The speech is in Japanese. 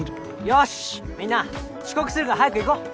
よしみんな遅刻するから早く行こう。